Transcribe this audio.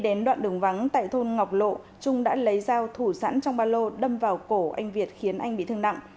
đến đoạn đường vắng tại thôn ngọc lộ trung đã lấy dao thủ sẵn trong ba lô đâm vào cổ anh việt khiến anh bị thương nặng